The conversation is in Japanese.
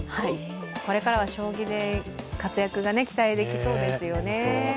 これからは将棋で活躍が期待できそうですよね。